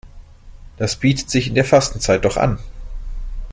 Das bietet sich in der Fastenzeit doch an.